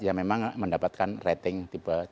yang memang mendapatkan rating tipe c